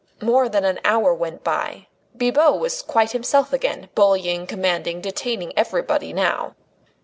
More than an hour went by. Bibot was quite himself again, bullying, commanding, detaining everybody now.